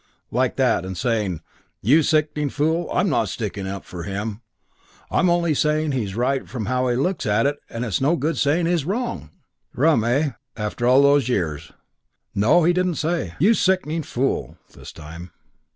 like that and saying, 'You sickening fool, I'm not sticking up for him, I'm only saying he's right from how he looks at it and it's no good saying he's wrong!' Rum, eh, after all those years.... No, he didn't say, 'You sickening fool' this time.